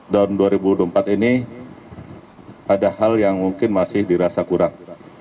tahun dua ribu dua puluh empat ini ada hal yang mungkin masih dirasa kurang